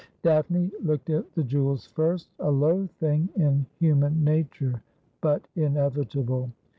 Daphne looked at the jewels first — a low thing in human nature, but inevitable.